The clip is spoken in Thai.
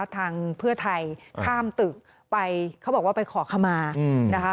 ทางเพื่อไทยข้ามตึกไปเขาบอกว่าไปขอขมานะคะ